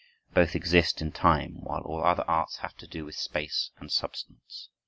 Both exist in time, while all other arts have to do with space and substance.